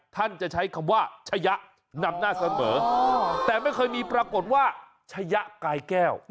ท่านจะใช้คำว่าชะยะนำหน้าเสมอแต่ไม่เคยมีปรากฏว่าชะยะกายแก้ว